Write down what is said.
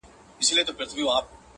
ته خو له هري ښيښې وځې و ښيښې ته ورځې.